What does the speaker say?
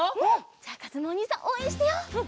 じゃあかずむおにいさんおうえんしてよう。